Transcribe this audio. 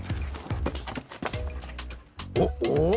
おっおお？